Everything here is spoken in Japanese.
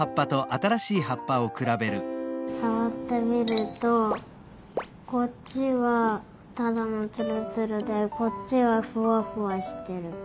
さわってみるとこっちはただのつるつるでこっちはふわふわしてる。